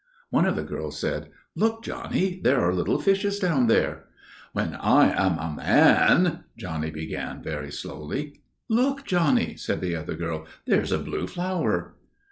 "One of the girls said, 'Look, Johnny, there are little fishes down there.' "'When I am a man'––––Johnny began, very slowly. "'Look, Johnny,' said the other girl, 'there's a blue flower.